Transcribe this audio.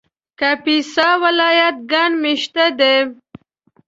کاپیسا ولایت ګڼ مېشته دی